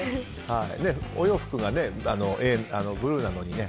お洋服がね、ブルーなのにね。